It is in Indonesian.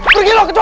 pergi loh kecua